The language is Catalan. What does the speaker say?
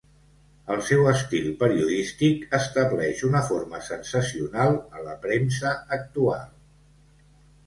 El seu estil periodístic estableix una forma sensacional a la premsa actual.